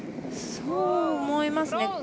そう思いますね。